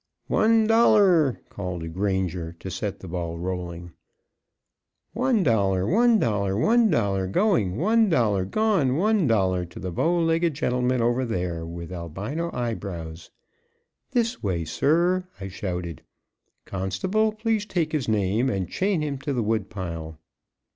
"One dollar," called a granger to set the ball rolling. "One dollar, one dollar, one dollar going one dollar gone one dollar to the bow legged gentleman over there, with albino eyebrows" "THIS WAY, SIR!" I shouted. "Constable, please take his name, and chain him to the wood pile."